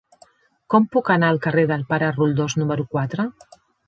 Com puc anar al carrer del Pare Roldós número quatre?